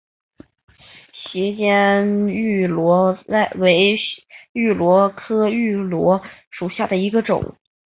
斜肩芋螺为芋螺科芋螺属下的一个种。